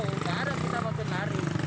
nggak ada yang bisa mau berlari